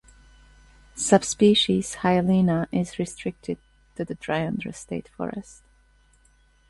Subspecies "hyalina" is restricted to the Dryandra State Forest.